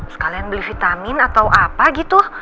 sekalian beli vitamin atau apa gitu